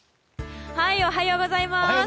おはようございます。